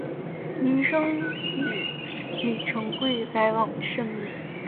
明升与李成桂来往甚密。